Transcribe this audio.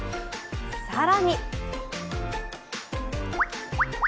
更に。